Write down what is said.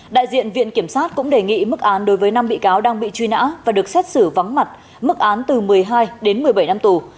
đại diện viện kiểm sát cũng đề nghị mức án đối với năm bị cáo đang bị truy nã và được xét xử vắng mặt mức án từ một mươi hai đến một mươi bảy năm tù